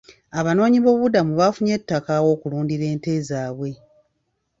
Abanoonyi b'obubudamu baafunye ettaka aw'okulundira ente zaabwe.